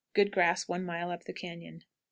Good grass one mile up the cañon. 9.